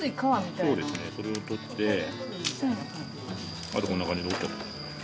そうですねそれを取ってあとこんな感じで折っちゃったら。